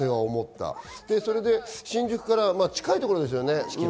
新宿から近いところですよね。